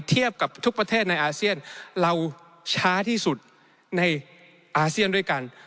เทียบกับทุกประเทศในอาเซียนเราช้าที่สุดในอาเซียนด้วยกัน